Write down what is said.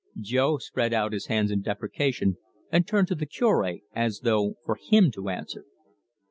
Jo spread out his hands in deprecation, and turned to the Curb, as though for him to answer.